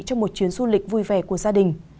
trong một chuyến du lịch vui vẻ của gia đình